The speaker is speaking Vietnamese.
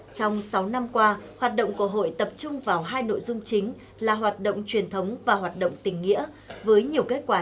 trong sáu năm qua hoạt động của hội tập trung vào hai nội dung chính là hoạt động truyền thống và hoạt động tình nghĩa